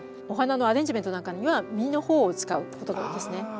お花のアレンジメントなんかには実の方を使うことが多いですね。